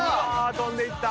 飛んでいった。